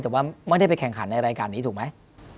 แต่ว่าไม่ได้ไปแข่งขันในรายการนี้ถูกไหม